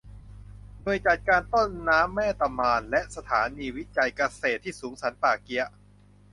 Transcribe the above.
หน่วยจัดการต้นน้ำแม่ตะมาน และสถานีวิจัยเกษตรที่สูงสันป่าเกี๊ยะ